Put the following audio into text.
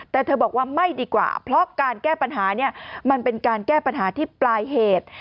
แต่เธอบอกว่าไม่ดีกว่าเพราะการแก้ปัญหาเนี่ยมันเป็นการแก้ปัญหาที่ปลายเหตุ